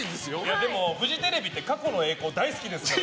でも、フジテレビって過去の栄光大好きですからね。